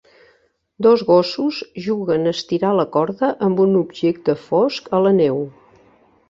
Dos gossos juguen a estirar la corda amb un objecte fosc a la neu.